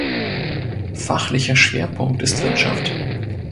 Fachlicher Schwerpunkt ist Wirtschaft.